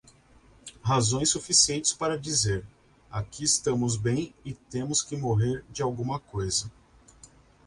Razões suficientes para dizer: aqui estamos bem e temos que morrer de alguma coisa.